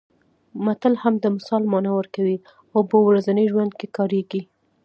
متل هم د مثال مانا ورکوي او په ورځني ژوند کې کارېږي